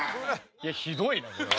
いやひどいなこれは。